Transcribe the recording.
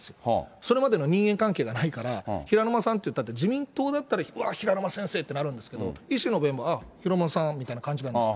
それまでの人間関係がないから、平沼さんっていったって、自民党だったら、うわ、平沼先生ってなるんですけど、維新の現場は平沼さんみたいな感じなんですよ。